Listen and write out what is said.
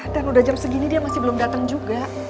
dan udah jam segini dia masih belum dateng juga